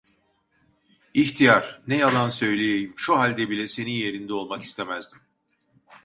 İhtiyar, ne yalan söyleyeyim, şu halde bile senin yerinde olmak istemezdim.